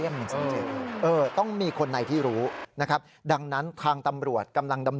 อย่างเมื่อกี้ตรวจโรงงานตรวจคนครับ